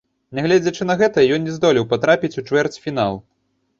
Нягледзячы на гэта, ён не здолеў патрапіць у чвэрцьфінал.